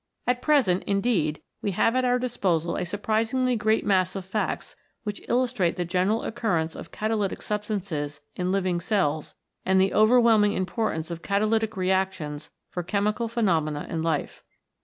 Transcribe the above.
At present, indeed, we have at our disposal a surprisingly great mass of facts which illustrate the general occurrence of catalytic substances in living cells and the overwhelming importance of catalytic reactions for chemical phenomena in life.